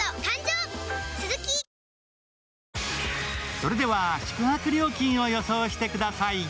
それでは、宿泊料金を予想してください。